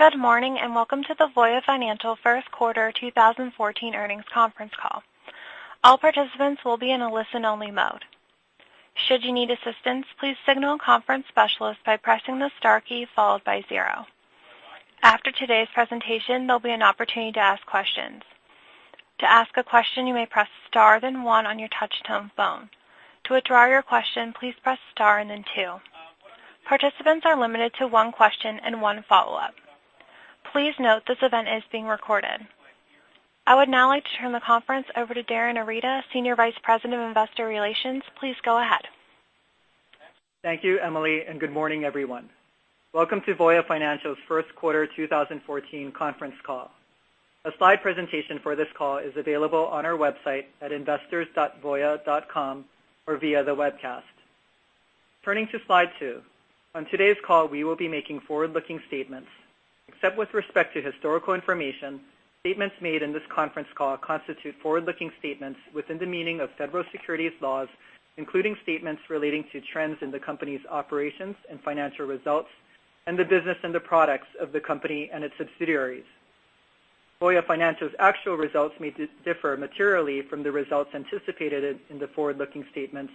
Good morning, welcome to the Voya Financial first quarter 2014 earnings conference call. All participants will be in a listen only mode. Should you need assistance, please signal a conference specialist by pressing the star key followed by zero. After today's presentation, there'll be an opportunity to ask questions. To ask a question, you may press star, then one on your touch-tone phone. To withdraw your question, please press star and then two. Participants are limited to one question and one follow-up. Please note this event is being recorded. I would now like to turn the conference over to Darin Arita, Senior Vice President of Investor Relations. Please go ahead. Thank you, Emily, good morning everyone. Welcome to Voya Financial's first quarter 2014 conference call. A slide presentation for this call is available on our website at investors.voya.com or via the webcast. Turning to slide two. On today's call, we will be making forward-looking statements. Except with respect to historical information, statements made in this conference call constitute forward-looking statements within the meaning of federal securities laws, including statements relating to trends in the company's operations and financial results and the business and the products of the company and its subsidiaries. Voya Financial's actual results may differ materially from the results anticipated in the forward-looking statements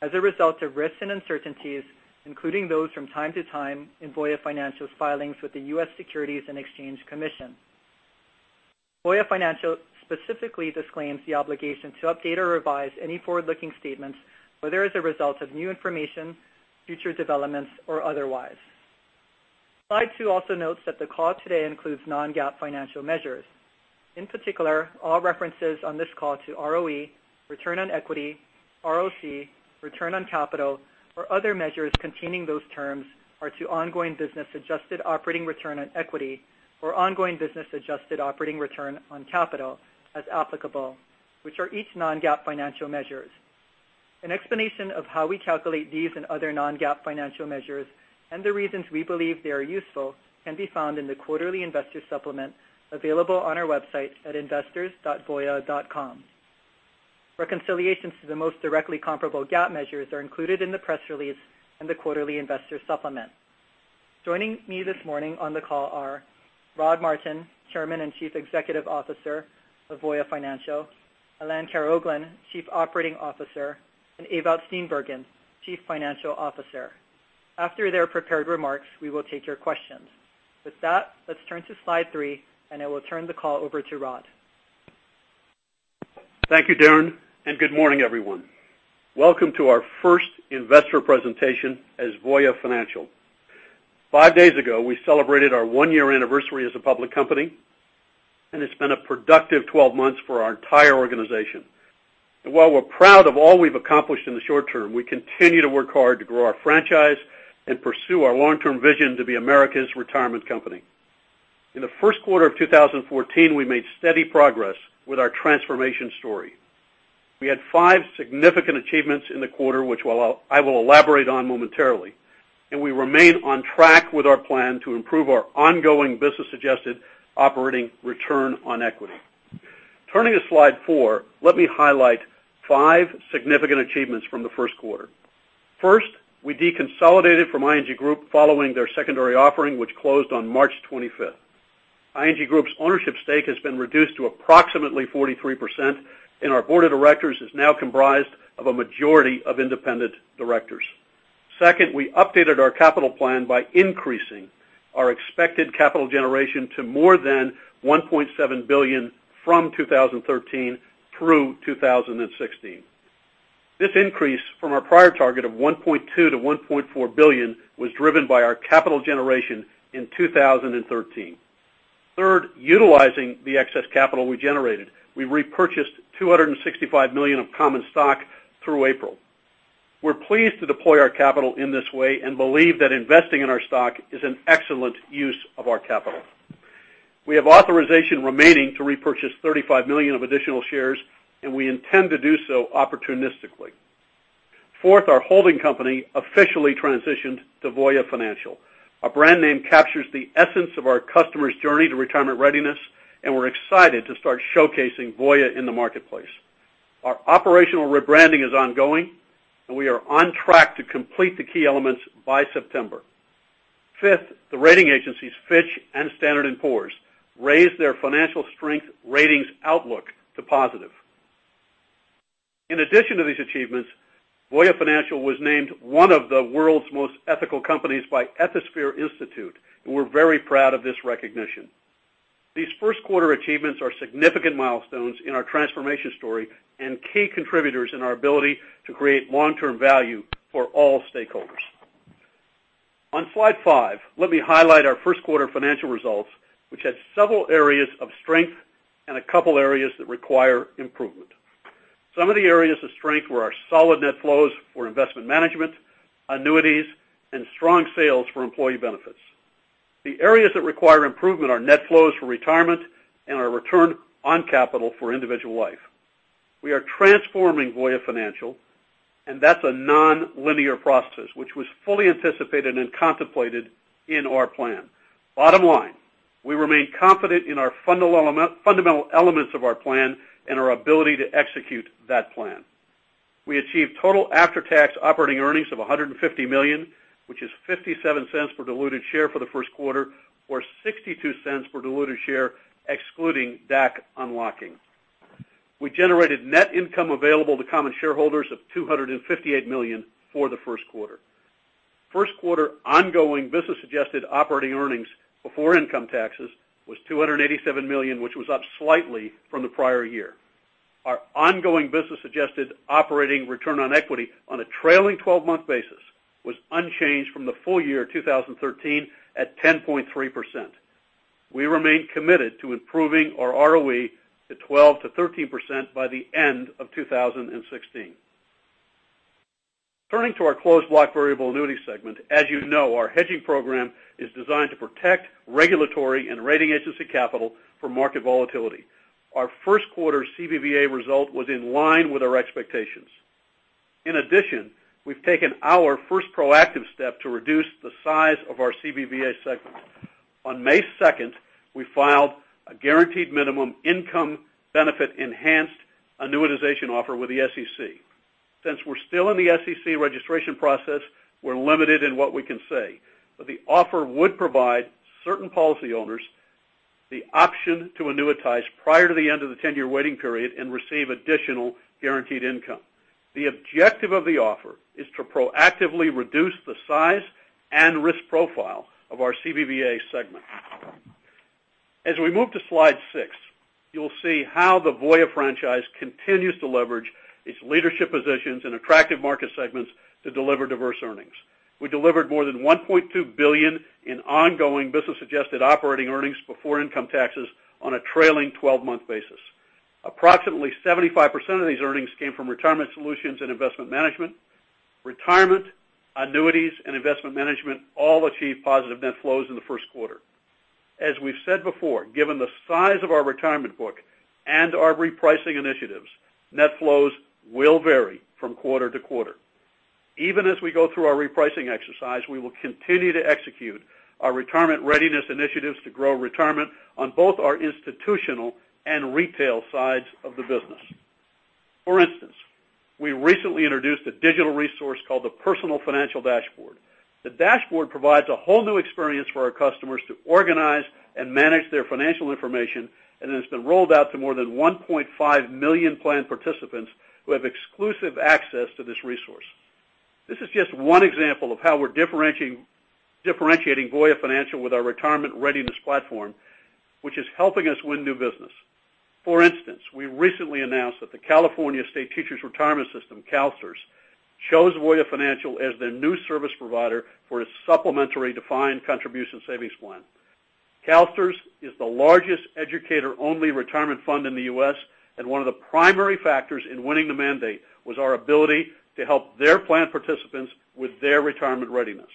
as a result of risks and uncertainties, including those from time to time in Voya Financial's filings with the U.S. Securities and Exchange Commission. Voya Financial specifically disclaims the obligation to update or revise any forward-looking statements whether as a result of new information, future developments, or otherwise. Slide two also notes that the call today includes non-GAAP financial measures. In particular, all references on this call to ROE, return on equity, ROC, return on capital, or other measures containing those terms are to ongoing business adjusted operating return on equity or ongoing business adjusted operating return on capital as applicable, which are each non-GAAP financial measures. An explanation of how we calculate these and other non-GAAP financial measures and the reasons we believe they are useful can be found in the quarterly investor supplement available on our website at investors.voya.com. Reconciliations to the most directly comparable GAAP measures are included in the press release and the quarterly investor supplement. Joining me this morning on the call are Rodney Martin, Chairman and Chief Executive Officer of Voya Financial, Alain Karaoglan, Chief Operating Officer, and Ewout Steenbergen, Chief Financial Officer. After their prepared remarks, we will take your questions. With that, let's turn to slide three and I will turn the call over to Rod. Thank you, Darin, good morning everyone. Welcome to our first investor presentation as Voya Financial. Five days ago, we celebrated our one-year anniversary as a public company. While we're proud of all we've accomplished in the short term, we continue to work hard to grow our franchise and pursue our long-term vision to be America's retirement company. In the first quarter of 2014, we made steady progress with our transformation story. We had five significant achievements in the quarter, which I will elaborate on momentarily. We remain on track with our plan to improve our ongoing business suggested operating return on equity. Turning to slide four, let me highlight five significant achievements from the first quarter. ING Group's ownership stake has been reduced to approximately 43%. Our board of directors is now comprised of a majority of independent directors. Second, we updated our capital plan by increasing our expected capital generation to more than $1.7 billion from 2013 through 2016. This increase from our prior target of $1.2 billion-$1.4 billion was driven by our capital generation in 2013. Third, utilizing the excess capital we generated, we repurchased $265 million of common stock through April. We're pleased to deploy our capital in this way and believe that investing in our stock is an excellent use of our capital. We have authorization remaining to repurchase $35 million of additional shares. We intend to do so opportunistically. Fourth, our holding company officially transitioned to Voya Financial. Our brand name captures the essence of our customer's journey to retirement readiness. We're excited to start showcasing Voya in the marketplace. Our operational rebranding is ongoing. We are on track to complete the key elements by September. Fifth, the rating agencies Fitch and Standard & Poor's raised their financial strength ratings outlook to positive. In addition to these achievements, Voya Financial was named one of the world's most ethical companies by Ethisphere Institute. We're very proud of this recognition. These first quarter achievements are significant milestones in our transformation story and key contributors in our ability to create long-term value for all stakeholders. On slide five, let me highlight our first quarter financial results, which had several areas of strength and a couple areas that require improvement. Some of the areas of strength were our solid net flows for Voya Investment Management, Annuities, and strong sales for Employee Benefits. The areas that require improvement are net flows for Retirement Solutions and our return on capital for Insurance Solutions. We are transforming Voya Financial. That's a nonlinear process, which was fully anticipated and contemplated in our plan. Bottom line, we remain confident in our fundamental elements of our plan and our ability to execute that plan. We achieved total after-tax operating earnings of $150 million, which is $0.57 per diluted share for the first quarter, or $0.62 per diluted share excluding DAC unlocking. We generated net income available to common shareholders of $258 million for the first quarter. First quarter ongoing business suggested operating earnings before income taxes was $287 million, which was up slightly from the prior year. Our ongoing business suggested operating return on equity on a trailing 12-month basis was unchanged from the full year 2013 at 10.3%. We remain committed to improving our ROE to 12%-13% by the end of 2016. Turning to our Closed Block Variable Annuity segment, as you know, our hedging program is designed to protect regulatory and rating agency capital from market volatility. Our first quarter CBVA result was in line with our expectations. In addition, we've taken our first proactive step to reduce the size of our CBVA segment. On May 2nd, we filed a guaranteed minimum income benefit enhanced annuitization offer with the SEC. Since we're still in the SEC registration process, we're limited in what we can say, but the offer would provide certain policy owners the option to annuitize prior to the end of the 10-year waiting period and receive additional guaranteed income. The objective of the offer is to proactively reduce the size and risk profile of our CBVA segment. As we move to slide six, you'll see how the Voya franchise continues to leverage its leadership positions in attractive market segments to deliver diverse earnings. We delivered more than $1.2 billion in ongoing business suggested operating earnings before income taxes on a trailing 12-month basis. Approximately 75% of these earnings came from Retirement Solutions and Investment Management. Retirement, Annuities, and Investment Management all achieved positive net flows in the first quarter. As we've said before, given the size of our retirement book and our repricing initiatives, net flows will vary from quarter to quarter. Even as we go through our repricing exercise, we will continue to execute our Retirement Readiness initiatives to grow retirement on both our institutional and retail sides of the business. For instance, we recently introduced a digital resource called the Personal Financial Dashboard. The dashboard provides a whole new experience for our customers to organize and manage their financial information, and it has been rolled out to more than 1.5 million plan participants who have exclusive access to this resource. This is just one example of how we're differentiating Voya Financial with our Retirement Readiness platform, which is helping us win new business. For instance, we recently announced that the California State Teachers' Retirement System, CalSTRS, chose Voya Financial as their new service provider for a supplementary defined contribution savings plan. CalSTRS is the largest educator-only retirement fund in the U.S., and one of the primary factors in winning the mandate was our ability to help their plan participants with their retirement readiness.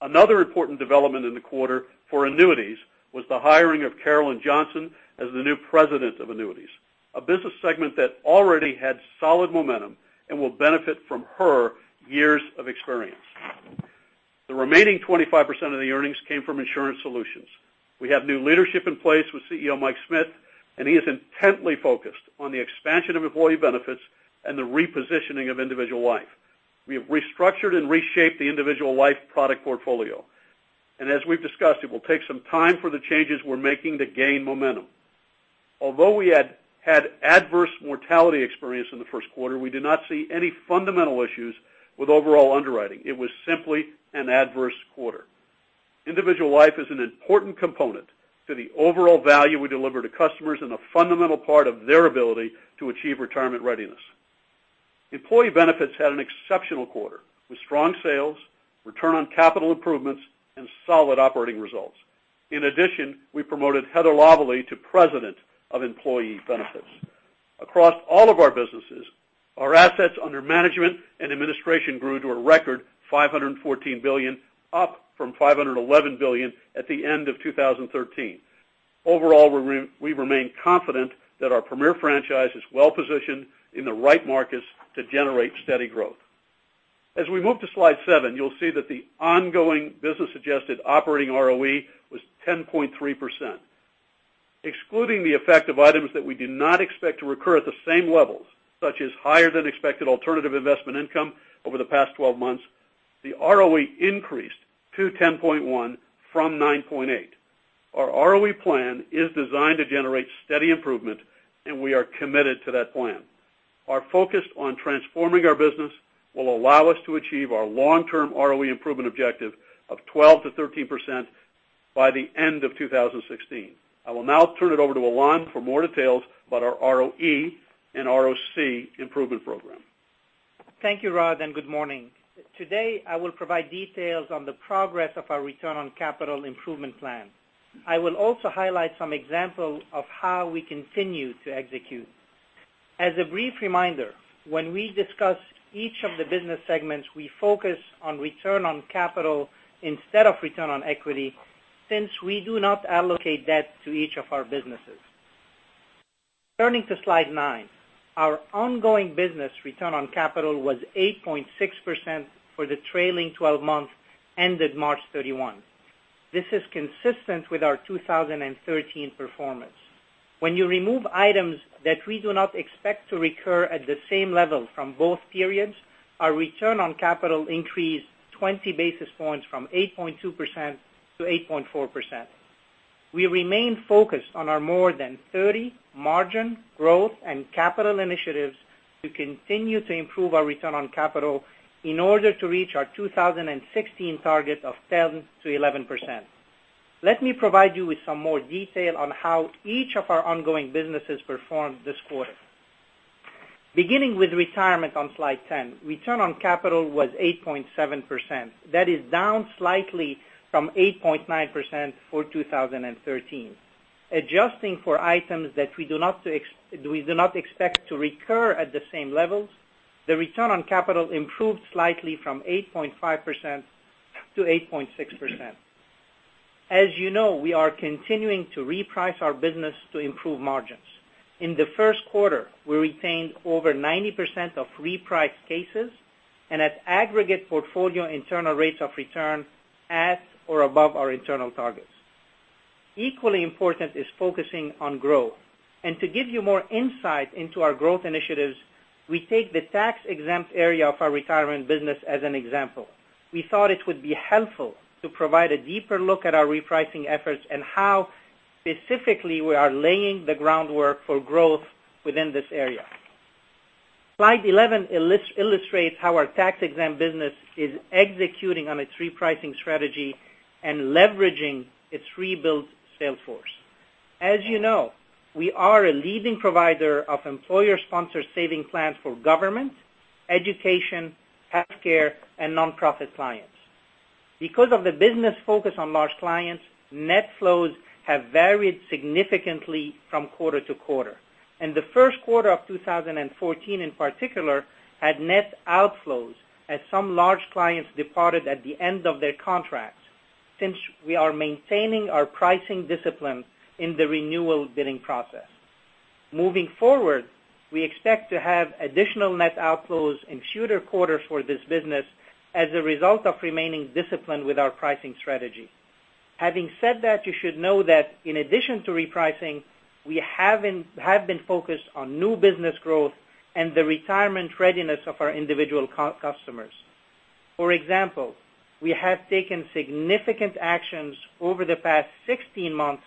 Another important development in the quarter for Annuities was the hiring of Carolyn Johnson as the new President of Annuities, a business segment that already had solid momentum and will benefit from her years of experience. The remaining 25% of the earnings came from Insurance Solutions. We have new leadership in place with CEO Mike Smith, and he is intently focused on the expansion of Employee Benefits and the repositioning of Individual Life. We have restructured and reshaped the Individual Life product portfolio, and as we've discussed, it will take some time for the changes we're making to gain momentum. Although we had adverse mortality experience in the first quarter, we did not see any fundamental issues with overall underwriting. It was simply an adverse quarter. Individual Life is an important component to the overall value we deliver to customers and a fundamental part of their ability to achieve retirement readiness. Employee Benefits had an exceptional quarter, with strong sales, return on capital improvements, and solid operating results. In addition, we promoted Heather Lavallee to President of Employee Benefits. Across all of our businesses, our assets under management and administration grew to a record $514 billion, up from $511 billion at the end of 2013. Overall, we remain confident that our premier franchise is well positioned in the right markets to generate steady growth. As we move to slide seven, you'll see that the ongoing business suggested operating ROE was 10.3%. Excluding the effect of items that we did not expect to recur at the same levels, such as higher than expected alternative investment income over the past 12 months, the ROE increased to 10.1 from 9.8. Our ROE plan is designed to generate steady improvement. We are committed to that plan. Our focus on transforming our business will allow us to achieve our long-term ROE improvement objective of 12%-13% by the end of 2016. I will now turn it over to Alain for more details about our ROE and ROC improvement program. Thank you, Rod. Good morning. Today, I will provide details on the progress of our return on capital improvement plan. I will also highlight some example of how we continue to execute. As a brief reminder, when we discuss each of the business segments, we focus on return on capital instead of return on equity, since we do not allocate that to each of our businesses. Turning to slide nine, our ongoing business return on capital was 8.6% for the trailing 12 months ended March 31. This is consistent with our 2013 performance. When you remove items that we do not expect to recur at the same level from both periods, our return on capital increased 20 basis points from 8.2%-8.4%. We remain focused on our more than 30 margin growth and capital initiatives to continue to improve our return on capital in order to reach our 2016 target of 10%-11%. Let me provide you with some more detail on how each of our ongoing businesses performed this quarter. Beginning with Retirement on slide 10, return on capital was 8.7%. That is down slightly from 8.9% for 2013. Adjusting for items that we do not expect to recur at the same levels, the return on capital improved slightly from 8.5%-8.6%. As you know, we are continuing to reprice our business to improve margins. In the first quarter, we retained over 90% of repriced cases and had aggregate portfolio internal rates of return at or above our internal targets. Equally important is focusing on growth. To give you more insight into our growth initiatives, we take the tax-exempt area of our retirement business as an example. We thought it would be helpful to provide a deeper look at our repricing efforts and how specifically we are laying the groundwork for growth within this area. Slide 11 illustrates how our tax-exempt business is executing on its repricing strategy and leveraging its rebuilt sales force. As you know, we are a leading provider of employer-sponsored saving plans for government, education, healthcare, and non-profit clients. Because of the business focus on large clients, net flows have varied significantly from quarter to quarter. The first quarter of 2014, in particular, had net outflows as some large clients departed at the end of their contracts, since we are maintaining our pricing discipline in the renewal bidding process. Moving forward, we expect to have additional net outflows in future quarters for this business as a result of remaining disciplined with our pricing strategy. Having said that, you should know that in addition to repricing, we have been focused on new business growth and the retirement readiness of our individual customers. For example, we have taken significant actions over the past 16 months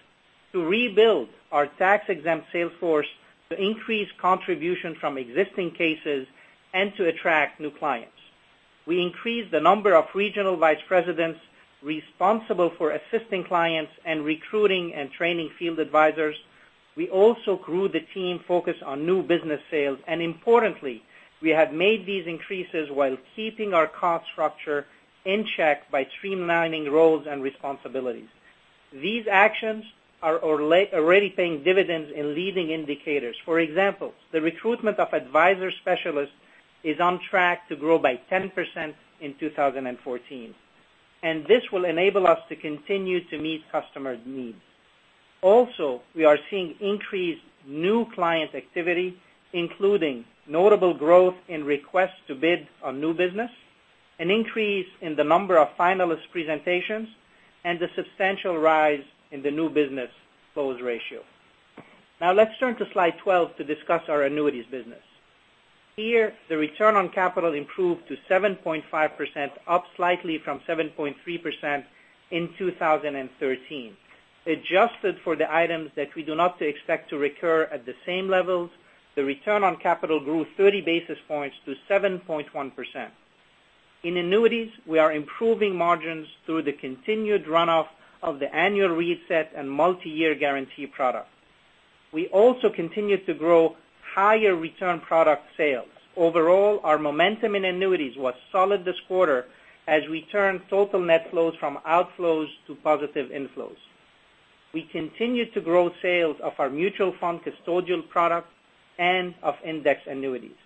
to rebuild our tax-exempt sales force to increase contribution from existing cases and to attract new clients. We increased the number of regional vice presidents responsible for assisting clients and recruiting and training field advisors. We also grew the team focused on new business sales. Importantly, we have made these increases while keeping our cost structure in check by streamlining roles and responsibilities. These actions are already paying dividends in leading indicators. For example, the recruitment of advisor specialists is on track to grow by 10% in 2014, this will enable us to continue to meet customers' needs. We are seeing increased new client activity, including notable growth in requests to bid on new business, an increase in the number of finalist presentations, and a substantial rise in the new business close ratio. Let's turn to slide 12 to discuss our Annuities business. Here, the return on capital improved to 7.5%, up slightly from 7.3% in 2013. Adjusted for the items that we do not expect to recur at the same levels, the return on capital grew 30 basis points to 7.1%. In Annuities, we are improving margins through the continued runoff of the annual reset and multi-year guarantee product. We also continued to grow higher return product sales. Our momentum in Annuities was solid this quarter as we turned total net flows from outflows to positive inflows. We continued to grow sales of our mutual fund custodial product and of index Annuities.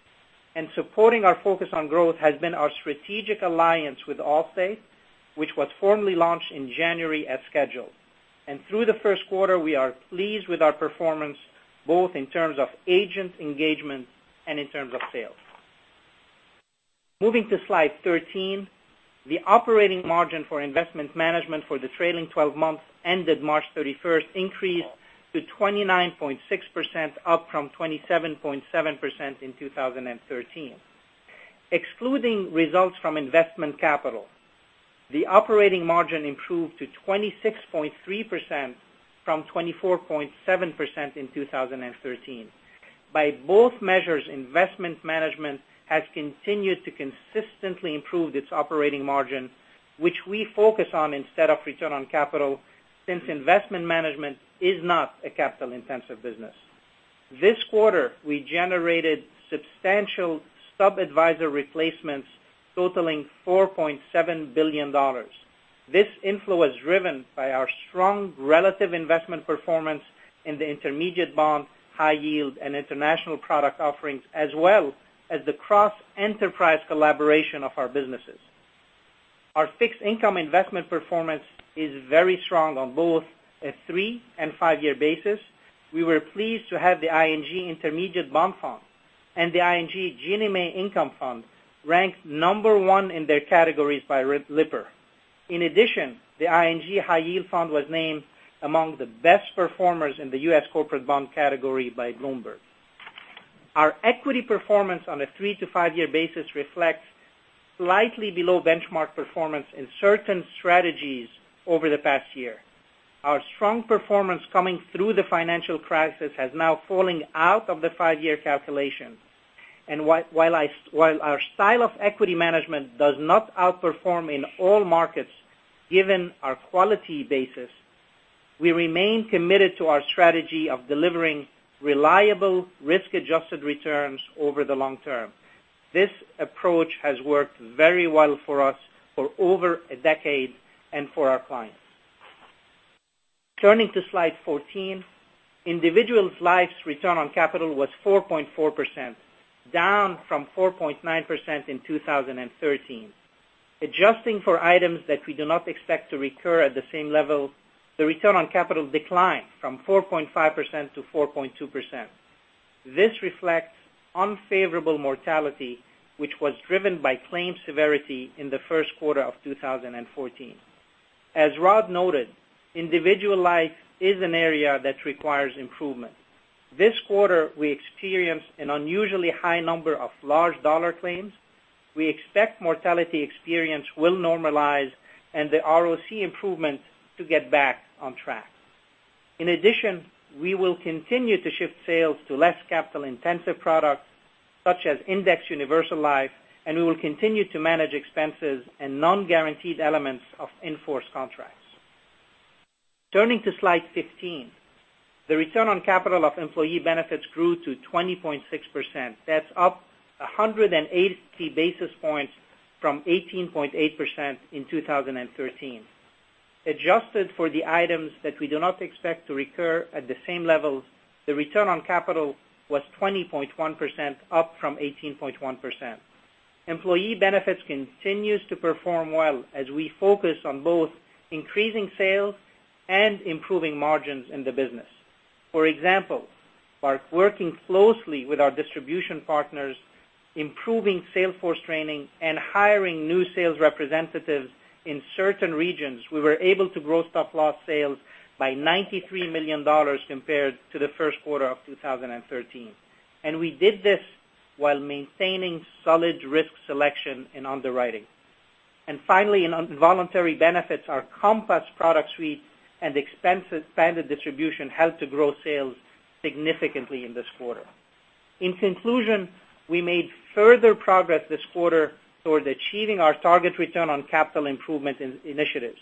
Supporting our focus on growth has been our strategic alliance with Allstate, which was formally launched in January as scheduled. Through the first quarter, we are pleased with our performance, both in terms of agent engagement and in terms of sales. Moving to slide 13, the operating margin for Investment Management for the trailing 12 months ended March 31st increased to 29.6%, up from 27.7% in 2013. Excluding results from investment capital, the operating margin improved to 26.3% from 24.7% in 2013. By both measures, Investment Management has continued to consistently improve its operating margin, which we focus on instead of return on capital, since Investment Management is not a capital-intensive business. This quarter, we generated substantial sub-advisor replacements totaling $4.7 billion. This inflow is driven by our strong relative investment performance in the intermediate bond, high yield, and international product offerings, as well as the cross-enterprise collaboration of our businesses. Our fixed income investment performance is very strong on both a three- and five-year basis. We were pleased to have the Voya Intermediate Bond Fund and the Voya GNMA Income Fund ranked number one in their categories by Lipper. In addition, the Voya High Yield Fund was named among the best performers in the U.S. corporate bond category by Bloomberg. Our equity performance on a three- to five-year basis reflects slightly below benchmark performance in certain strategies over the past year. Our strong performance coming through the financial crisis has now falling out of the five-year calculation. While our style of equity management does not outperform in all markets, given our quality basis, we remain committed to our strategy of delivering reliable risk-adjusted returns over the long term. This approach has worked very well for us for over a decade and for our clients. Turning to slide fourteen, Individual Life's return on capital was 4.4%, down from 4.9% in 2013. Adjusting for items that we do not expect to recur at the same level, the return on capital declined from 4.5% to 4.2%. This reflects unfavorable mortality, which was driven by claim severity in the first quarter of 2014. As Rod noted, Individual Life is an area that requires improvement. This quarter, we experienced an unusually high number of large dollar claims. We expect mortality experience will normalize and the ROC improvement to get back on track. In addition, we will continue to shift sales to less capital-intensive products, such as Indexed Universal Life, and we will continue to manage expenses and non-guaranteed elements of in-force contracts. Turning to slide fifteen, the return on capital of Employee Benefits grew to 20.6%. That's up 180 basis points from 18.8% in 2013. Adjusted for the items that we do not expect to recur at the same level, the return on capital was 20.1% up from 18.1%. Employee Benefits continues to perform well as we focus on both increasing sales and improving margins in the business. For example, by working closely with our distribution partners, improving sales force training, and hiring new sales representatives in certain regions, we were able to grow stop-loss sales by $93 million compared to the first quarter of 2013. We did this while maintaining solid risk selection in underwriting. Finally, in voluntary benefits, our Compass product suite and expanded distribution helped to grow sales significantly in this quarter. In conclusion, we made further progress this quarter towards achieving our target return on capital improvement initiatives.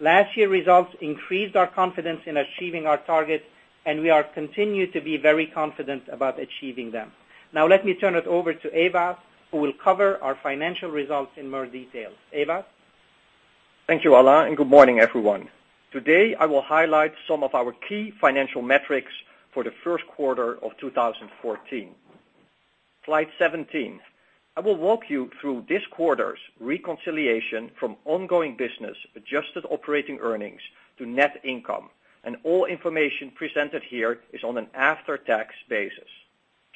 Last year's results increased our confidence in achieving our targets, and we are continued to be very confident about achieving them. Now let me turn it over to Ewout, who will cover our financial results in more detail. Ewout? Thank you, Alain. Good morning, everyone. Today, I will highlight some of our key financial metrics for the first quarter of 2014. Slide 17. I will walk you through this quarter's reconciliation from ongoing business adjusted operating earnings to net income, and all information presented here is on an after-tax basis.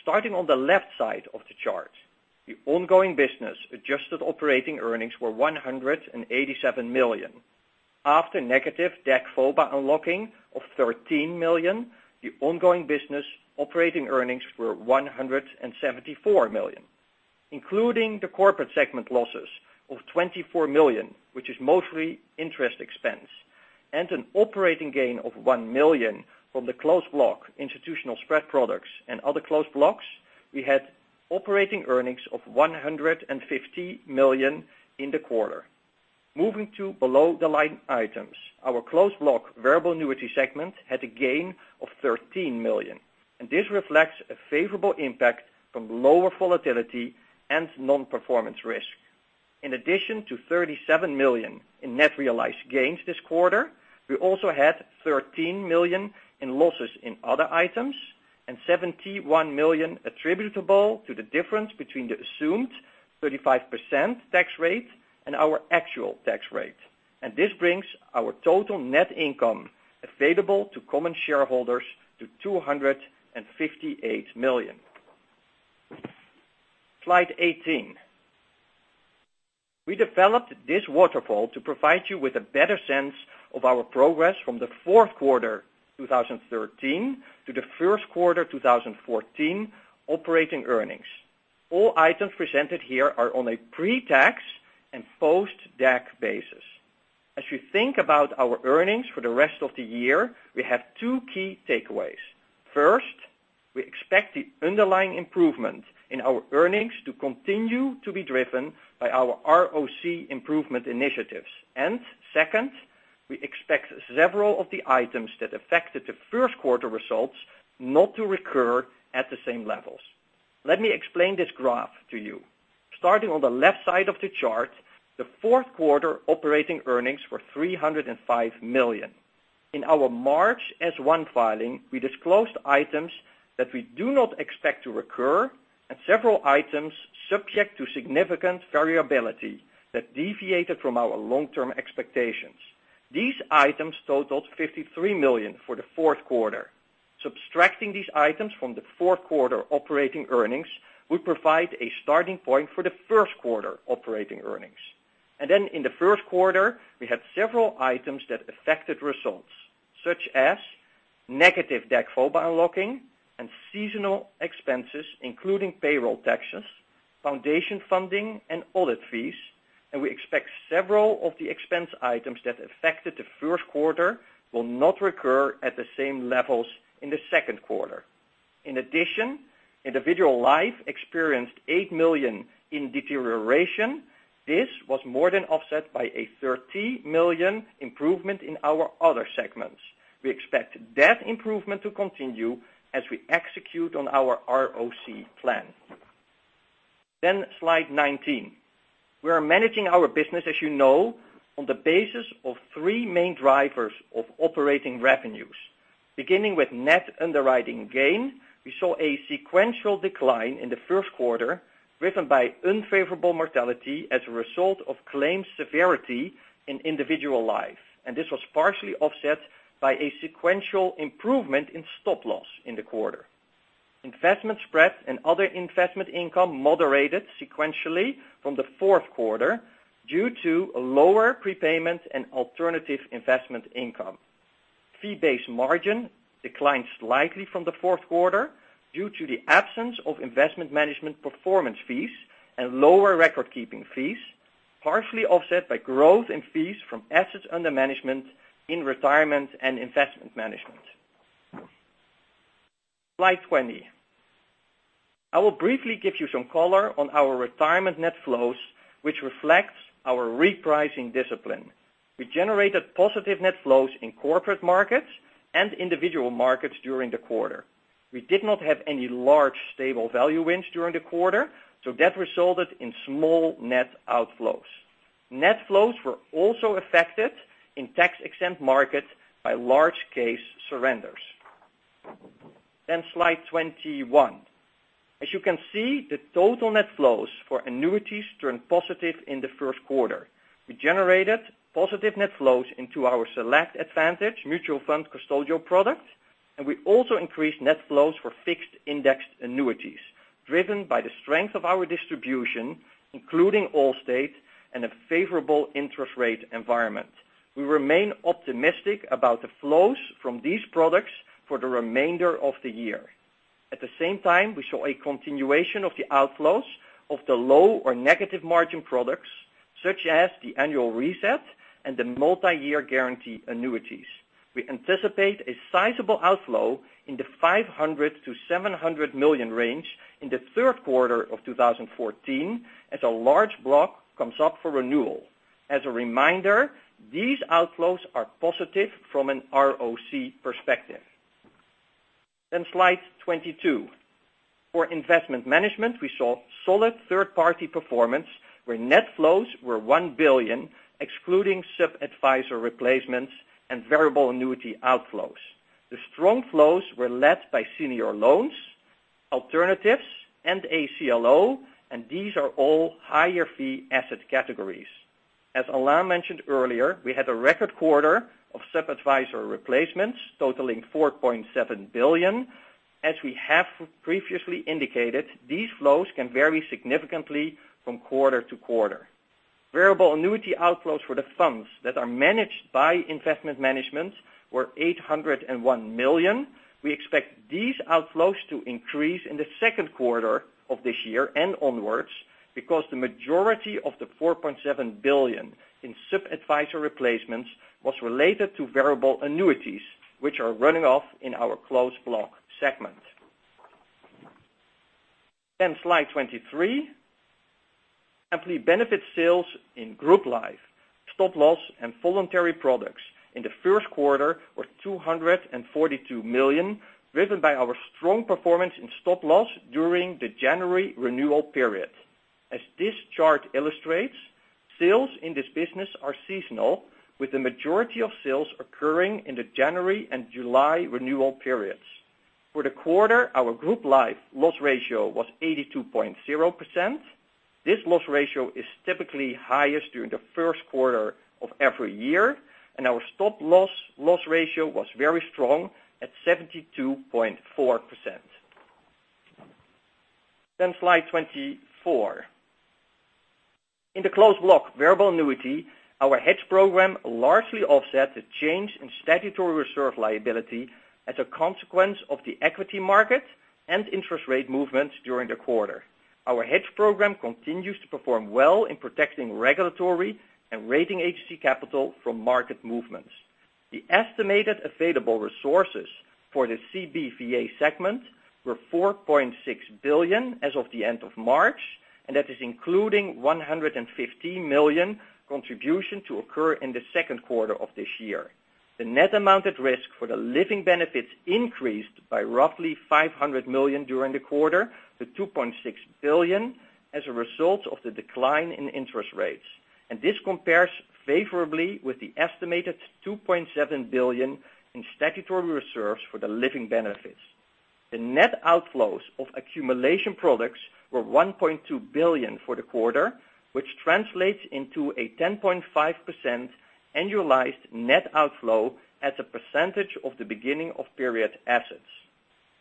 Starting on the left side of the chart, the ongoing business adjusted operating earnings were $187 million. After negative DAC-FOBA unlocking of $13 million, the ongoing business operating earnings were $174 million. Including the corporate segment losses of $24 million, which is mostly interest expense, and an operating gain of $1 million from the closed block institutional spread products and other closed blocks, we had operating earnings of $150 million in the quarter. Moving to below the line items. Our Closed Block Variable Annuity segment had a gain of $13 million, and this reflects a favorable impact from lower volatility and non-performance risk. In addition to $37 million in net realized gains this quarter, we also had $13 million in losses in other items, and $71 million attributable to the difference between the assumed 35% tax rate and our actual tax rate. This brings our total net income available to common shareholders to $258 million. Slide 18. We developed this waterfall to provide you with a better sense of our progress from the fourth quarter 2013 to the first quarter 2014 operating earnings. All items presented here are on a pre-tax and post-DAC basis. As you think about our earnings for the rest of the year, we have two key takeaways. First, we expect the underlying improvement in our earnings to continue to be driven by our ROC improvement initiatives. Second, we expect several of the items that affected the first quarter results not to recur at the same levels. Let me explain this graph to you. Starting on the left side of the chart, the fourth quarter operating earnings were $305 million. In our March S-1 filing, we disclosed items that we do not expect to recur and several items subject to significant variability that deviated from our long-term expectations. These items totaled $53 million for the fourth quarter. Subtracting these items from the fourth quarter operating earnings would provide a starting point for the first quarter operating earnings. Then in the first quarter, we had several items that affected results, such as negative DAC-FOBA unlocking and seasonal expenses, including payroll taxes, foundation funding, and audit fees, and we expect several of the expense items that affected the first quarter will not recur at the same levels in the second quarter. In addition, Individual Life experienced $8 million in deterioration. This was more than offset by a $30 million improvement in our other segments. We expect that improvement to continue as we execute on our ROC plan. Slide 19. We are managing our business, as you know, on the basis of three main drivers of operating revenues. Beginning with net underwriting gain, we saw a sequential decline in the first quarter driven by unfavorable mortality as a result of claim severity in Individual Life. This was partially offset by a sequential improvement in stop loss in the quarter. Investment spread and other investment income moderated sequentially from the fourth quarter due to lower prepayment and alternative investment income. Fee-based margin declined slightly from the fourth quarter due to the absence of Investment Management performance fees and lower record-keeping fees, partially offset by growth in fees from assets under management in Retirement and Investment Management. Slide 20. I will briefly give you some color on our Retirement net flows, which reflects our repricing discipline. We generated positive net flows in corporate markets and individual markets during the quarter. We did not have any large stable value wins during the quarter, so that resulted in small net outflows. Net flows were also affected in tax-exempt markets by large case surrenders. Slide 21. As you can see, the total net flows for Annuities turned positive in the first quarter. We generated positive net flows into our Voya Select Advantage mutual fund custodial product, and we also increased net flows for Fixed Indexed Annuities, driven by the strength of our distribution, including Allstate and a favorable interest rate environment. We remain optimistic about the flows from these products for the remainder of the year. At the same time, we saw a continuation of the outflows of the low or negative margin products, such as the annual reset and the Multi-Year Guarantee Annuities. We anticipate a sizable outflow in the $500 million-$700 million range in the third quarter of 2014 as a large block comes up for renewal. As a reminder, these outflows are positive from an ROC perspective. Slide 22. For Investment Management, we saw solid third-party performance where net flows were $1 billion, excluding sub-advisory replacements and variable annuity outflows. The strong flows were led by senior loans, alternatives, and CLO, and these are all higher fee asset categories. As Alain mentioned earlier, we had a record quarter of sub-advisory replacements totaling $4.7 billion. As we have previously indicated, these flows can vary significantly from quarter to quarter. Variable annuity outflows for the funds that are managed by Investment Management were $801 million. We expect these outflows to increase in the second quarter of this year and onwards because the majority of the $4.7 billion in sub-advisory replacements was related to variable Annuities, which are running off in our Closed Block segment. Slide 23. Employee Benefits sales in group life, stop loss, and voluntary products in the first quarter were $242 million, driven by our strong performance in stop loss during the January renewal period. As this chart illustrates, sales in this business are seasonal, with the majority of sales occurring in the January and July renewal periods. For the quarter, our group life loss ratio was 82.0%. This loss ratio is typically highest during the first quarter of every year, and our stop-loss loss ratio was very strong at 72.4%. Slide 24. In the Closed Block Variable Annuity, our hedge program largely offset the change in statutory reserve liability as a consequence of the equity market and interest rate movements during the quarter. Our hedge program continues to perform well in protecting regulatory and rating agency capital from market movements. The estimated available resources for the CBVA segment were $4.6 billion as of the end of March, and that is including $115 million contribution to occur in the second quarter of this year. The net amount at risk for the living benefits increased by roughly $500 million during the quarter to $2.6 billion as a result of the decline in interest rates. This compares favorably with the estimated $2.7 billion in statutory reserves for the living benefits. The net outflows of accumulation products were $1.2 billion for the quarter, which translates into a 10.5% annualized net outflow as a percentage of the beginning of period assets.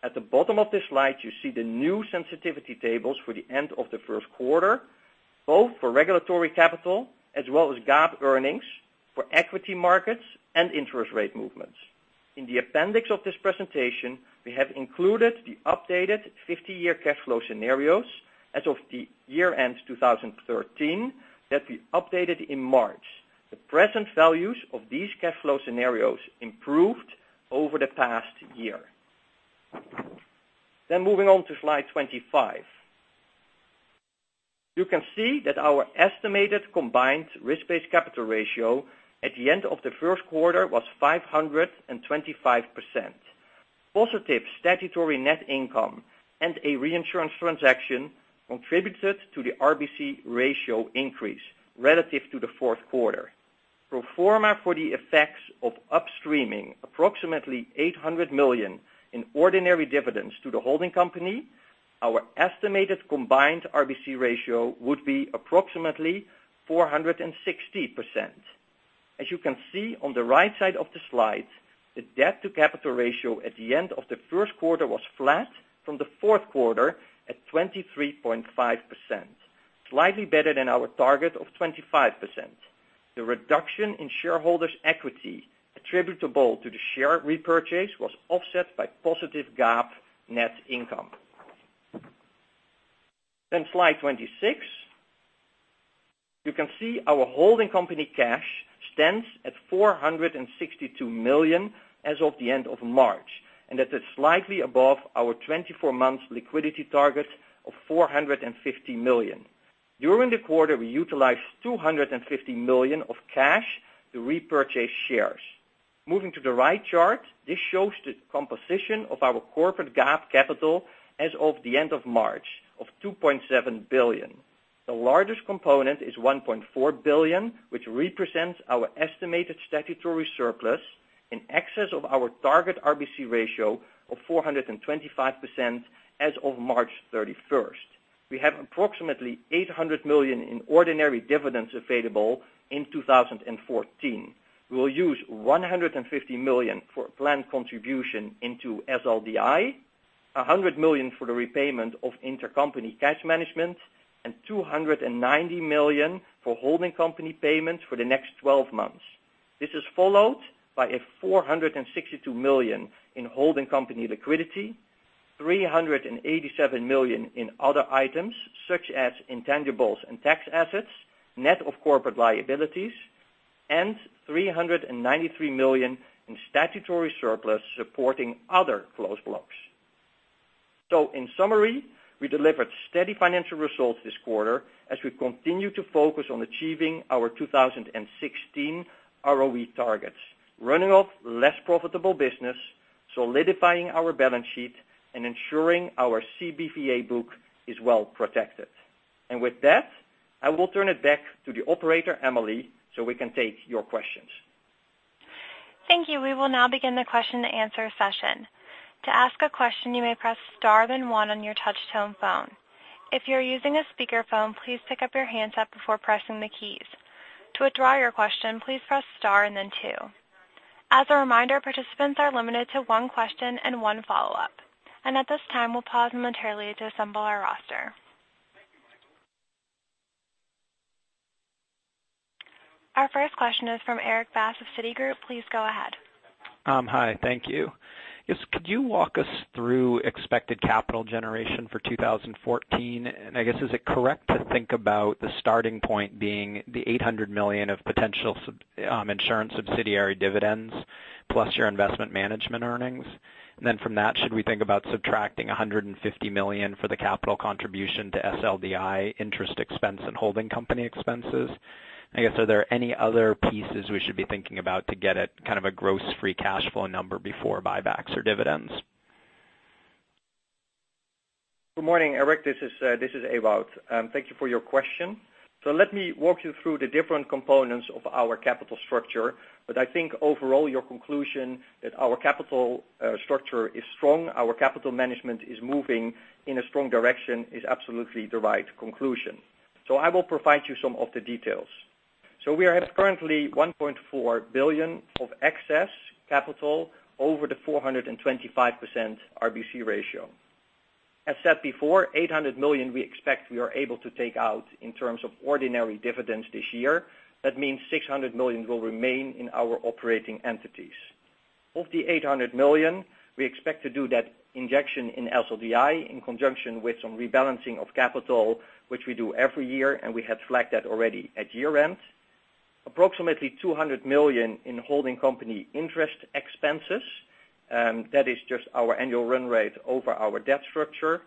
At the bottom of this slide, you see the new sensitivity tables for the end of the first quarter, both for regulatory capital as well as GAAP earnings for equity markets and interest rate movements. In the appendix of this presentation, we have included the updated 50-year cash flow scenarios as of the year-end 2013 that we updated in March. The present values of these cash flow scenarios improved over the past year. Moving on to slide 25. You can see that our estimated combined risk-based capital ratio at the end of the first quarter was 525%. Positive statutory net income and a reinsurance transaction contributed to the RBC ratio increase relative to the fourth quarter. Pro forma for the effects of upstreaming approximately $800 million in ordinary dividends to the holding company, our estimated combined RBC ratio would be approximately 460%. As you can see on the right side of the slide, the debt to capital ratio at the end of the first quarter was flat from the fourth quarter at 23.5%, slightly better than our target of 25%. The reduction in shareholders' equity attributable to the share repurchase was offset by positive GAAP net income. Slide 26. You can see our holding company cash stands at $462 million as of the end of March, and that is slightly above our 24 months liquidity target of $450 million. During the quarter, we utilized $250 million of cash to repurchase shares. Moving to the right chart, this shows the composition of our corporate GAAP capital as of the end of March of $2.7 billion. The largest component is $1.4 billion, which represents our estimated statutory surplus in excess of our target RBC ratio of 425% as of March 31st. We have approximately $800 million in ordinary dividends available in 2014. We will use $150 million for planned contribution into SLDI, $100 million for the repayment of intercompany cash management, and $290 million for holding company payments for the next 12 months. This is followed by a $462 million in holding company liquidity, $387 million in other items, such as intangibles and tax assets, net of corporate liabilities, and $393 million in statutory surplus supporting other closed blocks. In summary, we delivered steady financial results this quarter as we continue to focus on achieving our 2016 ROE targets, running off less profitable business, solidifying our balance sheet, and ensuring our CBVA book is well protected. With that, I will turn it back to the operator, Emily, so we can take your questions. Thank you. We will now begin the question and answer session. To ask a question, you may press star then one on your touch-tone phone. If you are using a speakerphone, please pick up your handset before pressing the keys. To withdraw your question, please press star and then two. As a reminder, participants are limited to one question and one follow-up. At this time, we will pause momentarily to assemble our roster. Our first question is from Erik Bass of Citigroup. Please go ahead. Hi. Thank you. Yes, could you walk us through expected capital generation for 2014? I guess, is it correct to think about the starting point being the $800 million of potential insurance subsidiary dividends plus your Investment Management earnings? From that, should we think about subtracting $150 million for the capital contribution to SLDI interest expense and holding company expenses? I guess, are there any other pieces we should be thinking about to get at kind of a gross free cash flow number before buybacks or dividends? Good morning, Erik. This is Ewout. Thank you for your question. Let me walk you through the different components of our capital structure. I think overall, your conclusion that our capital structure is strong, our capital management is moving in a strong direction, is absolutely the right conclusion. I will provide you some of the details. We are at currently $1.4 billion of excess capital over the 425% RBC ratio. As said before, $800 million we expect we are able to take out in terms of ordinary dividends this year. That means $600 million will remain in our operating entities. Of the $800 million, we expect to do that injection in SLDI in conjunction with some rebalancing of capital, which we do every year, and we had flagged that already at year-end. Approximately $200 million in holding company interest expenses. That is just our annual run rate over our debt structure.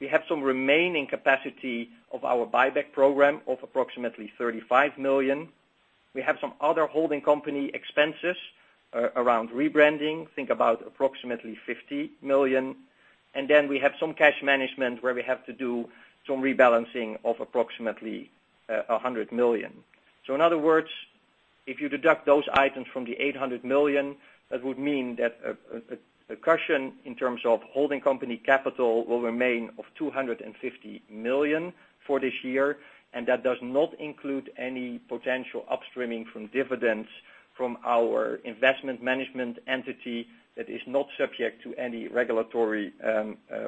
We have some remaining capacity of our buyback program of approximately $35 million. We have some other holding company expenses around rebranding, think about approximately $50 million. We have some cash management where we have to do some rebalancing of approximately $100 million. In other words, if you deduct those items from the $800 million, that would mean that a cushion in terms of holding company capital will remain of $250 million for this year, and that does not include any potential upstreaming from dividends from our Investment Management entity that is not subject to any regulatory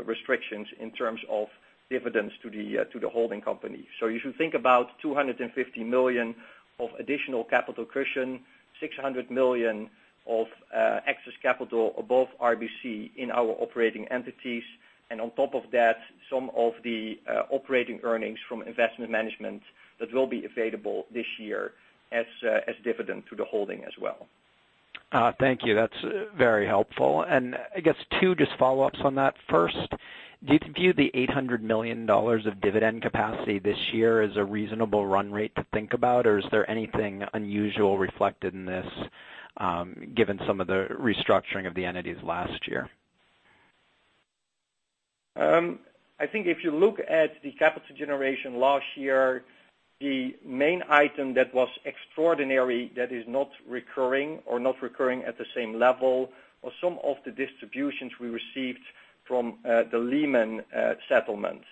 restrictions in terms of dividends to the holding company. You should think about $250 million of additional capital cushion, $600 million of excess capital above RBC in our operating entities. On top of that, some of the operating earnings from Investment Management that will be available this year as dividend to the holding as well. Thank you. That's very helpful. I guess two just follow-ups on that. First, do you view the $800 million of dividend capacity this year as a reasonable run rate to think about, or is there anything unusual reflected in this, given some of the restructuring of the entities last year? I think if you look at the capital generation last year, the main item that was extraordinary that is not recurring or not recurring at the same level are some of the distributions we received from the Lehman settlement.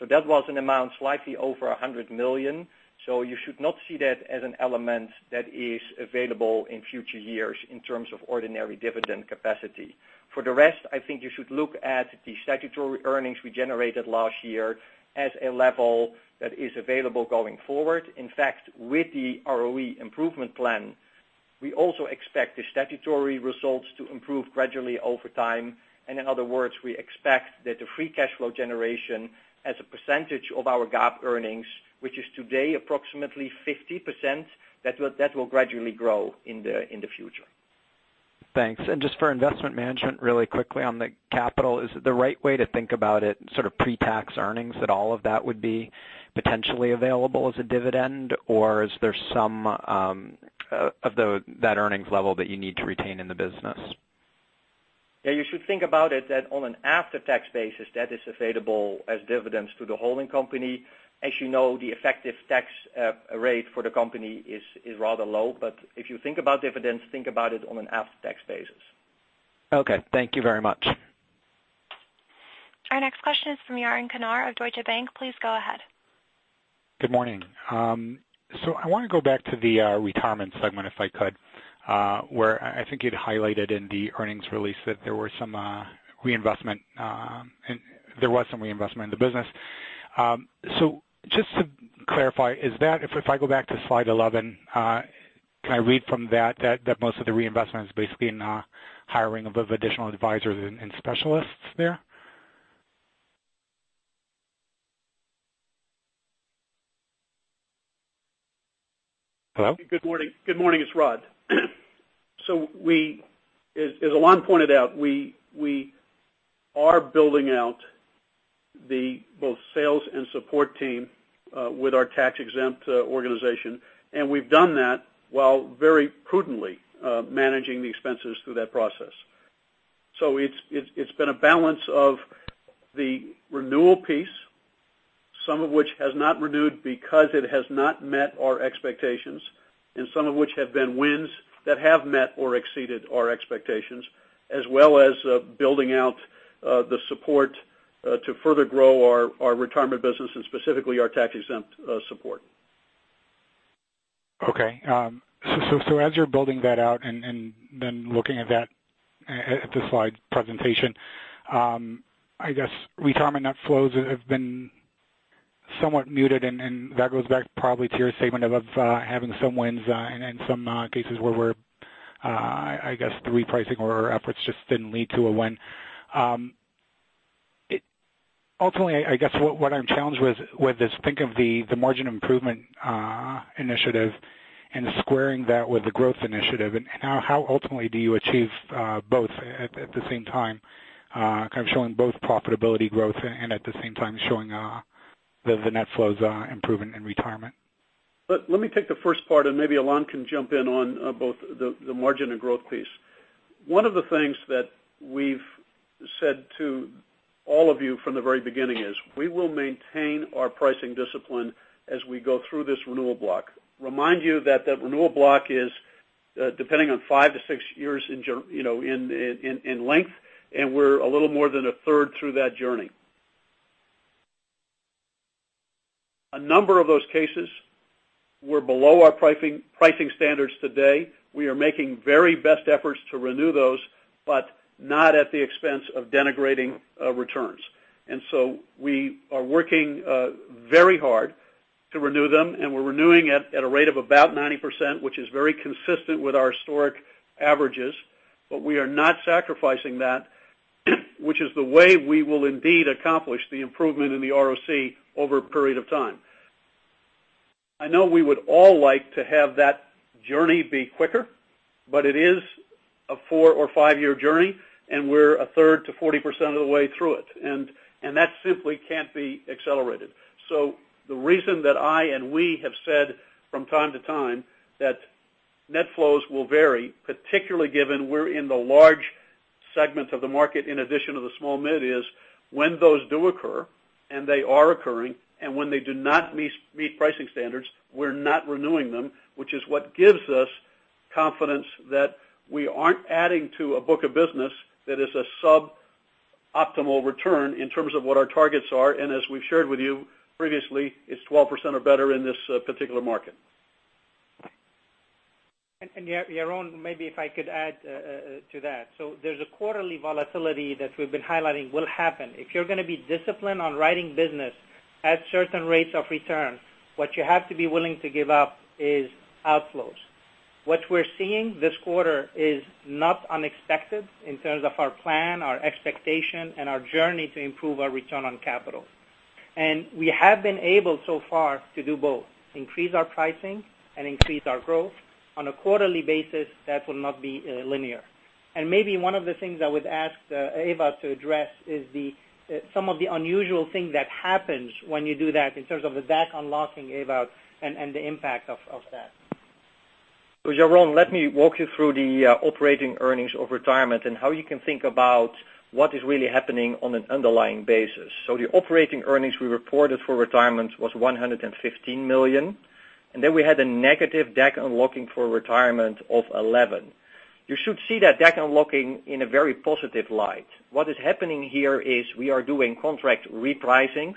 That was an amount slightly over $100 million. You should not see that as an element that is available in future years in terms of ordinary dividend capacity. For the rest, I think you should look at the statutory earnings we generated last year as a level that is available going forward. In fact, with the ROE improvement plan, we also expect the statutory results to improve gradually over time. In other words, we expect that the free cash flow generation as a percentage of our GAAP earnings, which is today approximately 50%, that will gradually grow in the future. Thanks. Just for Investment Management, really quickly on the capital, is the right way to think about it sort of pre-tax earnings, that all of that would be potentially available as a dividend? Or is there some of that earnings level that you need to retain in the business? Yeah, you should think about it that on an after-tax basis, that is available as dividends to the holding company. As you know, the effective tax rate for the company is rather low. If you think about dividends, think about it on an after-tax basis. Okay. Thank you very much. Our next question is from Yaron Kinar of Deutsche Bank. Please go ahead. Good morning. I want to go back to the retirement segment, if I could, where I think you'd highlighted in the earnings release that there was some reinvestment in the business. Just to clarify, if I go back to slide 11, can I read from that most of the reinvestment is basically in hiring of additional advisors and specialists there? Hello? Good morning. It's Rod. As Alain pointed out, we are building out both sales and support team with our tax-exempt organization, and we've done that while very prudently managing the expenses through that process. It's been a balance of the renewal piece, some of which has not renewed because it has not met our expectations, and some of which have been wins that have met or exceeded our expectations, as well as building out the support to further grow our retirement business and specifically our tax-exempt support. As you're building that out and then looking at that at the slide presentation, I guess retirement net flows have been somewhat muted, and that goes back probably to your statement of having some wins and some cases where, I guess the repricing or efforts just didn't lead to a win. Ultimately, I guess what I'm challenged with is think of the margin improvement initiative and squaring that with the growth initiative, and how ultimately do you achieve both at the same time, kind of showing both profitability growth and at the same time showing the net flows improvement in retirement? Let me take the first part, and maybe Alain can jump in on both the margin and growth piece. One of the things that we've said to all of you from the very beginning is we will maintain our pricing discipline as we go through this renewal block. Remind you that renewal block is depending on 5 to 6 years in length, and we're a little more than a third through that journey. A number of those cases were below our pricing standards today. We are making very best efforts to renew those, but not at the expense of denigrating returns. We are working very hard to renew them, and we're renewing at a rate of about 90%, which is very consistent with our historic averages. We are not sacrificing that, which is the way we will indeed accomplish the improvement in the ROC over a period of time. I know we would all like to have that journey be quicker, it is a 4 or 5-year journey, and we're a third to 40% of the way through it, and that simply can't be accelerated. The reason that I and we have said from time to time that net flows will vary, particularly given we're in the large segment of the market in addition to the small mid is when those do occur, and they are occurring, and when they do not meet pricing standards, we're not renewing them, which is what gives us confidence that we aren't adding to a book of business that is a suboptimal return in terms of what our targets are. As we've shared with you previously, it's 12% or better in this particular market. Yaron, maybe if I could add to that. There's a quarterly volatility that we've been highlighting will happen. If you're going to be disciplined on writing business at certain rates of return, what you have to be willing to give up is outflows. What we're seeing this quarter is not unexpected in terms of our plan, our expectation, and our journey to improve our return on capital. We have been able so far to do both, increase our pricing and increase our growth. On a quarterly basis, that will not be linear. Maybe one of the things I would ask Ewout to address is some of the unusual things that happens when you do that in terms of the DAC unlocking, Ewout, and the impact of that. Yaron, let me walk you through the operating earnings of Retirement and how you can think about what is really happening on an underlying basis. The operating earnings we reported for Retirement was $115 million, then we had a negative DAC unlocking for Retirement of $11 million. You should see that DAC unlocking in a very positive light. What is happening here is we are doing contract repricings.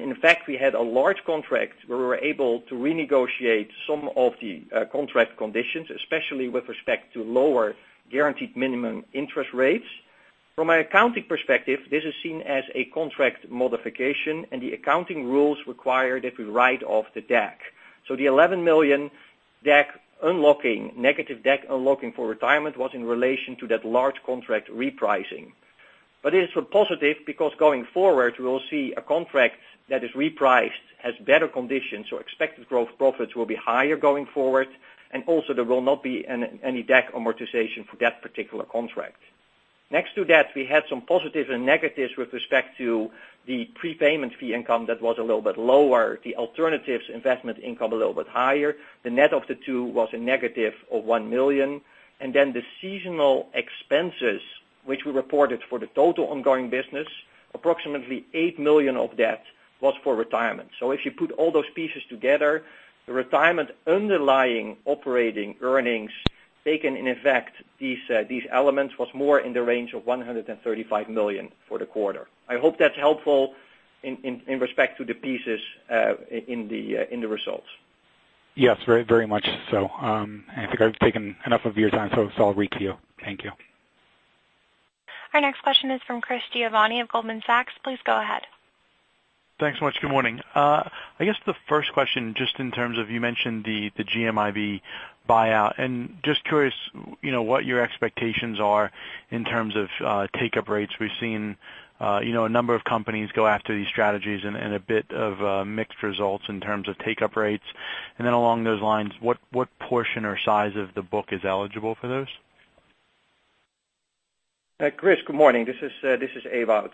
In fact, we had a large contract where we were able to renegotiate some of the contract conditions, especially with respect to lower guaranteed minimum interest rates. From an accounting perspective, this is seen as a contract modification, and the accounting rules require that we write off the DAC. The $11 million negative DAC unlocking for Retirement was in relation to that large contract repricing. It is positive because going forward, we will see a contract that is repriced, has better conditions, expected growth profits will be higher going forward, also there will not be any DAC amortization for that particular contract. Next to that, we had some positives and negatives with respect to the prepayment fee income that was a little bit lower, the alternatives investment income a little bit higher. The net of the two was a negative of $1 million. Then the seasonal expenses, which we reported for the total ongoing business, approximately $8 million of that was for Retirement. If you put all those pieces together, the Retirement underlying operating earnings, taken in effect, these elements was more in the range of $135 million for the quarter. I hope that's helpful in respect to the pieces in the results. Yes, very much so. I think I've taken enough of your time, so I'll reach to you. Thank you. Our next question is from Chris Giovanni of Goldman Sachs. Please go ahead. Thanks much. Good morning. I guess the first question, just in terms of, you mentioned the GMIB buyout. Just curious what your expectations are in terms of take-up rates. Along those lines, what portion or size of the book is eligible for those? Chris, good morning. This is Ewout.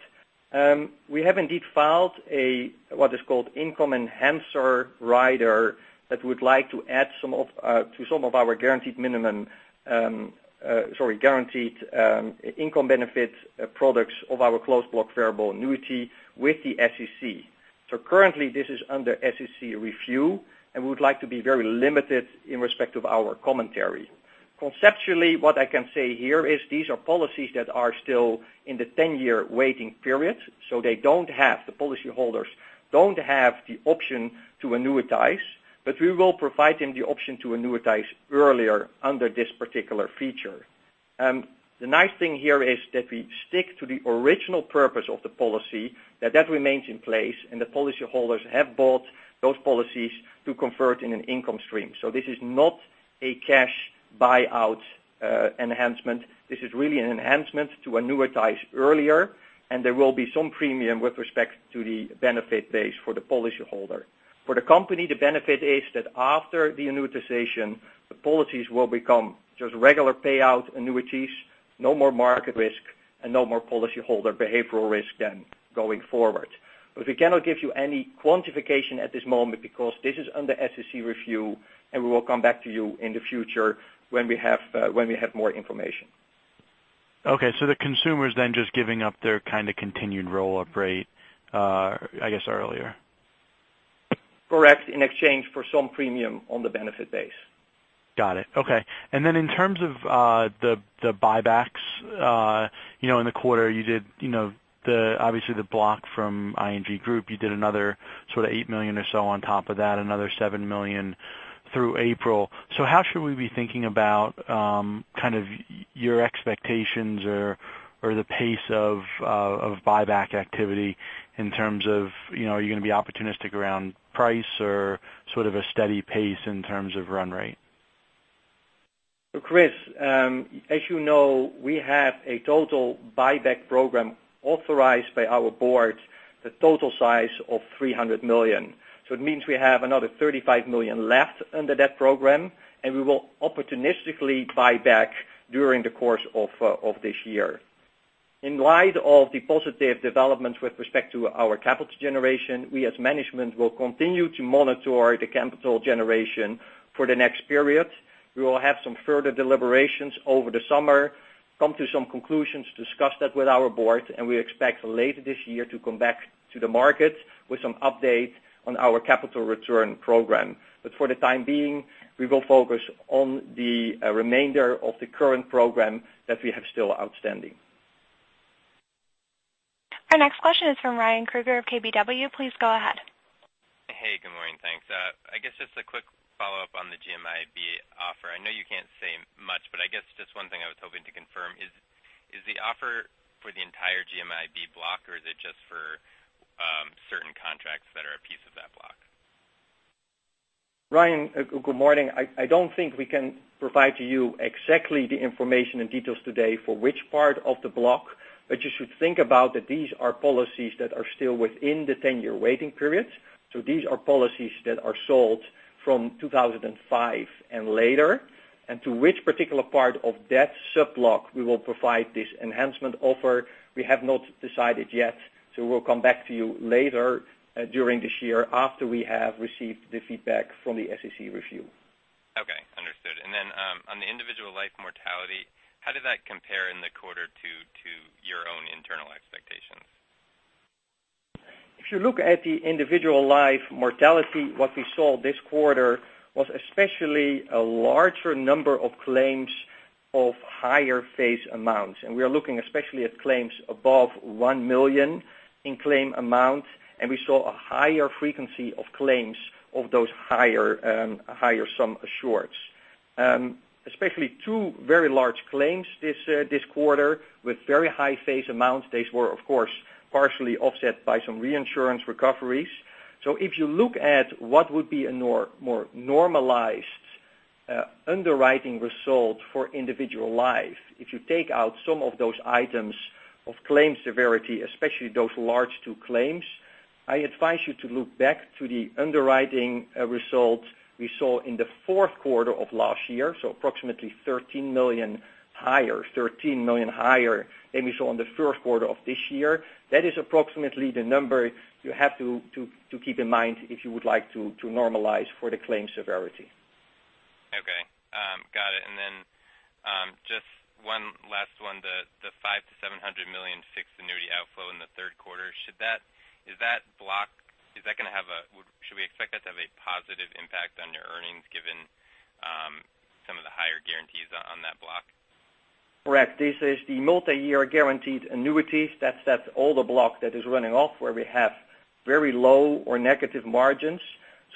We have indeed filed what is called Income Enhancer rider that would like to add to some of our guaranteed income benefits products of our Closed Block Variable Annuity with the SEC. Currently, this is under SEC review, and we would like to be very limited in respect of our commentary. Conceptually, what I can say here is these are policies that are still in the 10-year waiting period. The policyholders don't have the option to annuitize, but we will provide them the option to annuitize earlier under this particular feature. The nice thing here is that we stick to the original purpose of the policy, that that remains in place, and the policyholders have bought those policies to convert in an income stream. This is not a cash buyout enhancement. This is really an enhancement to annuitize earlier, there will be some premium with respect to the benefit base for the policyholder. For the company, the benefit is that after the annuitization, the policies will become just regular payout Ainvestment managementnnuities, no more market risk, and no more policyholder behavioral risk then going forward. We cannot give you any quantification at this moment because this is under SEC review, and we will come back to you in the future when we have more information. The consumer is then just giving up their continued roll-up rate, I guess, earlier. Correct, in exchange for some premium on the benefit base. Got it. Okay. Then in terms of the buybacks in the quarter, obviously the block from ING Group, you did another sort of $8 million or so on top of that, another $7 million through April. How should we be thinking about your expectations or the pace of buyback activity in terms of, are you going to be opportunistic around price or sort of a steady pace in terms of run rate? Chris, as you know, we have a total buyback program authorized by our board, the total size of $300 million. It means we have another $35 million left under that program, and we will opportunistically buy back during the course of this year. In light of the positive developments with respect to our capital generation, we as management will continue to monitor the capital generation for the next period. We will have some further deliberations over the summer, come to some conclusions, discuss that with our board, and we expect later this year to come back to the market with some update on our capital return program. For the time being, we will focus on the remainder of the current program that we have still outstanding. Our next question is from Ryan Krueger of KBW. Please go ahead. Hey, good morning. Thanks. I guess just a quick follow-up on the GMIB offer. I know you can't say much, but I guess just one thing I was hoping to confirm is the offer for the entire GMIB block or is it just for certain contracts that are a piece of that block? Ryan, good morning. I don't think we can provide to you exactly the information and details today for which part of the block. You should think about that these are policies that are still within the 10-year waiting period. These are policies that are sold from 2005 and later. To which particular part of that sub-block we will provide this enhancement offer, we have not decided yet, so we will come back to you later during this year after we have received the feedback from the SEC review. Okay, understood. On the Individual Life mortality, how did that compare in the quarter to your own internal expectations? If you look at the Individual Life mortality, what we saw this quarter was especially a larger number of claims of higher face amounts. We are looking especially at claims above $1 million in claim amount, and we saw a higher frequency of claims of those higher sum assureds. Especially two very large claims this quarter with very high face amounts. These were, of course, partially offset by some reinsurance recoveries. If you look at what would be a more normalized underwriting result for Individual Life, if you take out some of those items of claims severity, especially those large two claims, I advise you to look back to the underwriting result we saw in the fourth quarter of last year. Approximately $13 million higher than we saw in the first quarter of this year. That is approximately the number you have to keep in mind if you would like to normalize for the claim severity. Okay. Got it. Just one last one. The $500 million-$700 million fixed annuity outflow in the third quarter. Should we expect that to have a positive impact on your earnings given some of the higher guarantees on that block? Correct. This is the Multi-Year Guaranteed Annuities. That's all the block that is running off where we have very low or negative margins.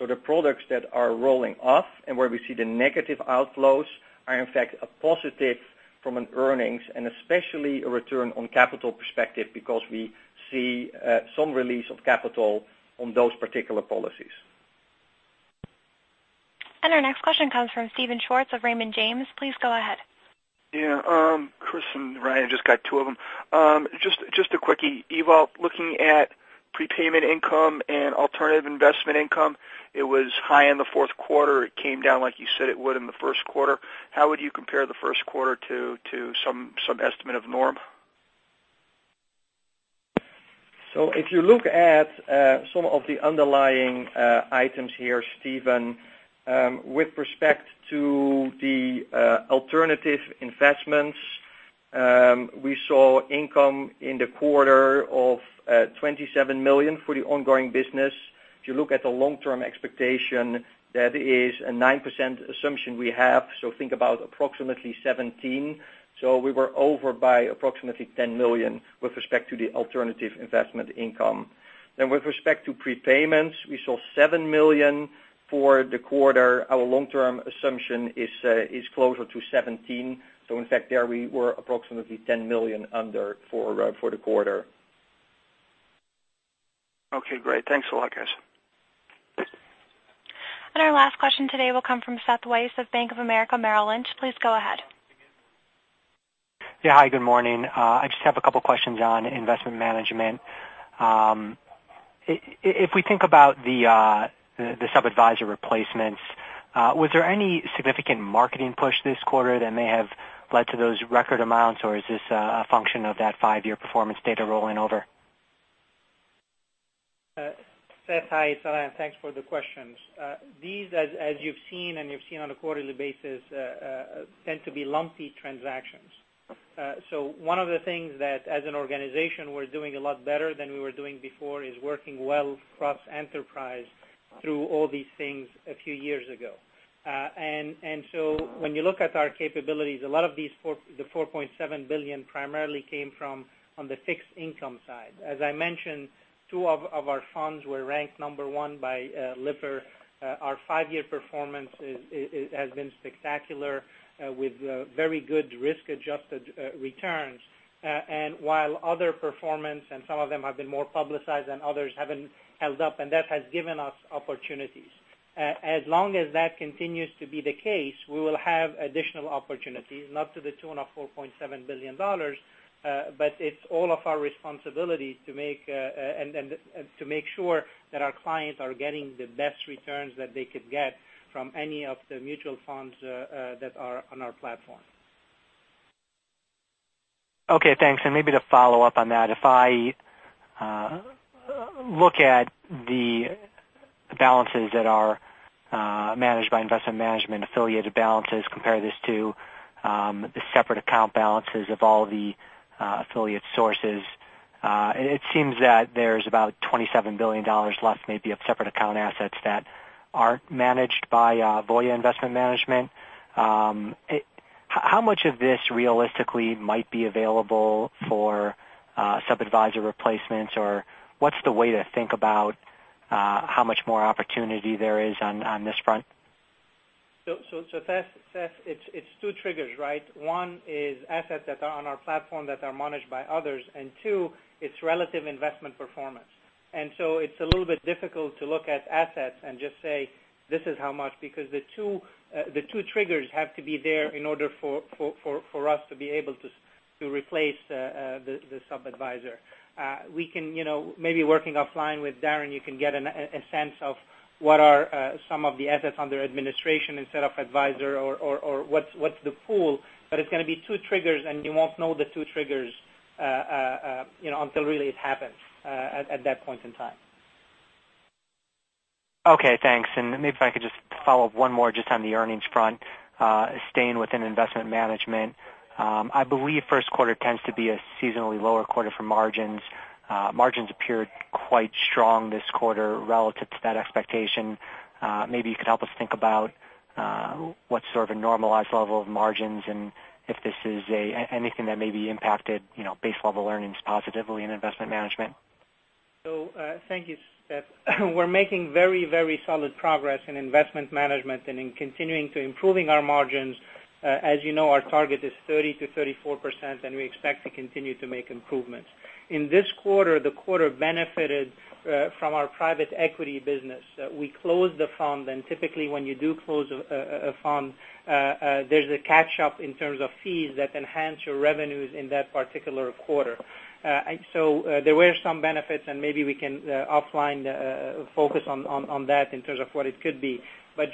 The products that are rolling off and where we see the negative outflows are in fact a positive from an earnings and especially a return on capital perspective because we see some release of capital on those particular policies. Our next question comes from Steven Schwartz of Raymond James. Please go ahead. Yeah. Chris and Ryan, just got two of them. Just a quickie. Ewout, looking at prepayment income and alternative investment income, it was high in the fourth quarter. It came down like you said it would in the first quarter. How would you compare the first quarter to some estimate of norm? If you look at some of the underlying items here, Steven, with respect to the alternative investments, we saw income in the quarter of $27 million for the ongoing business. If you look at the long-term expectation, that is a 9% assumption we have. Think about approximately $17 million. We were over by approximately $10 million with respect to the alternative investment income. With respect to prepayments, we saw $7 million for the quarter. Our long-term assumption is closer to $17 million. In fact, there we were approximately $10 million under for the quarter. Okay, great. Thanks a lot, guys. Our last question today will come from Seth Weiss of Bank of America Merrill Lynch. Please go ahead. Yeah. Hi, good morning. I just have a couple questions on Investment Management. If we think about the sub-adviser replacements, was there any significant marketing push this quarter that may have led to those record amounts, or is this a function of that five-year performance data rolling over? Seth, hi. It's Alain. Thanks for the questions. These, as you've seen on a quarterly basis, tend to be lumpy transactions. One of the things that as an organization we're doing a lot better than we were doing before is working well cross-enterprise through all these things a few years ago. When you look at our capabilities, a lot of the $4.7 billion primarily came from on the fixed income side. As I mentioned, two of our funds were ranked number one by Lipper. Our five-year performance has been spectacular, with very good risk-adjusted returns. While other performance, and some of them have been more publicized than others, haven't held up, and that has given us opportunities. As long as that continues to be the case, we will have additional opportunities, not to the tune of $4.7 billion, but it's all of our responsibilities to make sure that our clients are getting the best returns that they could get from any of the mutual funds that are on our platform. Okay, thanks. Maybe to follow up on that, if I look at the balances that are managed by Investment Management, affiliated balances, compare this to the separate account balances of all the affiliate sources, it seems that there's about $27 billion left, maybe of separate account assets that aren't managed by Voya Investment Management. How much of this realistically might be available for sub-adviser replacements? What's the way to think about how much more opportunity there is on this front? Seth, it's two triggers, right? One is assets that are on our platform that are managed by others, and Two, it's relative investment performance. It's a little bit difficult to look at assets and just say, this is how much, because the two triggers have to be there in order for us to be able to replace the sub-adviser. Maybe working offline with Darin, you can get a sense of what are some of the assets under administration instead of adviser or what's the pool. It's going to be two triggers, you won't know the two triggers until really it happens at that point in time. Okay, thanks. Maybe if I could just follow up one more just on the earnings front, staying within Investment Management. I believe first quarter tends to be a seasonally lower quarter for margins. Margins appeared quite strong this quarter relative to that expectation. Maybe you could help us think about what sort of a normalized level of margins and if this is anything that maybe impacted base level earnings positively in Investment Management. Thank you, Seth. We're making very solid progress in Investment Management and in continuing to improving our margins. As you know, our target is 30%-34%, we expect to continue to make improvements. The quarter benefited from our private equity business. We closed the fund, typically when you do close a fund, there's a catch up in terms of fees that enhance your revenues in that particular quarter. There were some benefits, maybe we can offline focus on that in terms of what it could be.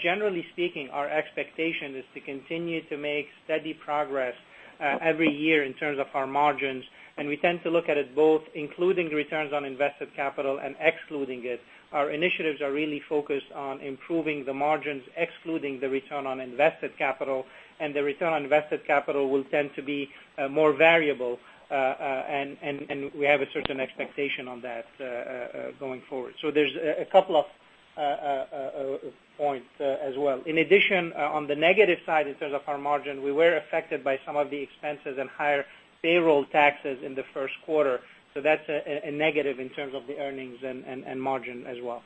Generally speaking, our expectation is to continue to make steady progress every year in terms of our margins, we tend to look at it both, including the returns on invested capital and excluding it. Our initiatives are really focused on improving the margins, excluding the return on invested capital, the return on invested capital will tend to be more variable, we have a certain expectation on that going forward. There's a couple of points as well. In addition, on the negative side, in terms of our margin, we were affected by some of the expenses and higher payroll taxes in the first quarter. That's a negative in terms of the earnings and margin as well.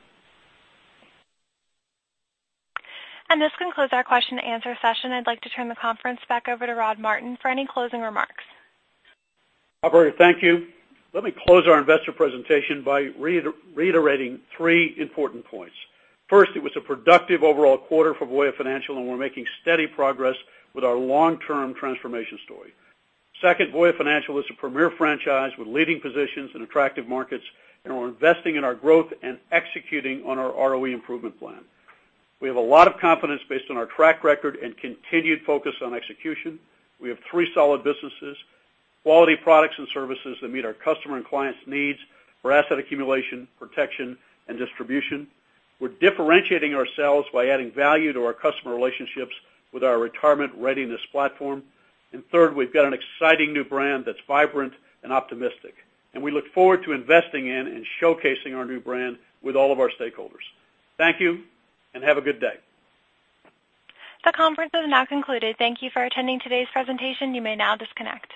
This concludes our question and answer session. I'd like to turn the conference back over to Rodney Martin for any closing remarks. Operator, thank you. Let me close our investor presentation by reiterating three important points. First, it was a productive overall quarter for Voya Financial, we're making steady progress with our long-term transformation story. Second, Voya Financial is a premier franchise with leading positions in attractive markets, we're investing in our growth and executing on our ROE improvement plan. We have a lot of confidence based on our track record and continued focus on execution. We have three solid businesses, quality products and services that meet our customer and clients' needs for asset accumulation, protection, and distribution. We're differentiating ourselves by adding value to our customer relationships with our retirement readiness platform. Third, we've got an exciting new brand that's vibrant and optimistic, we look forward to investing in and showcasing our new brand with all of our stakeholders. Thank you, have a good day. The conference has now concluded. Thank you for attending today's presentation. You may now disconnect.